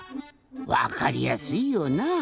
わかりやすいよなぁ。